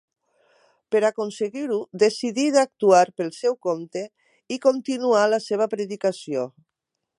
Per aconseguir-ho, decidí d'actuar pel seu compte i continuà la seva predicació.